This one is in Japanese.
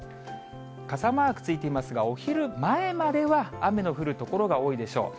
傘マークついていますが、お昼前までは雨の降る所が多いでしょう。